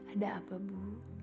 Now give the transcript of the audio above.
ada apa bu